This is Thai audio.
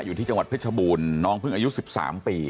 อยู่ที่จังหวัดเพชรบูรณ์น้องเพิ่งอายุ๑๓ปี